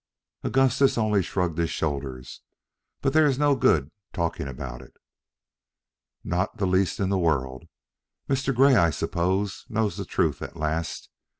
Augustus only shrugged his shoulders. "But there is no good talking about it." "Not the least in the world. Mr. Grey, I suppose, knows the truth at last.